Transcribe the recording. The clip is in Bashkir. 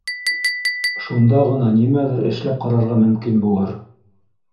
Шунда ғына нимәлер эшләп ҡарарға мөмкин булыр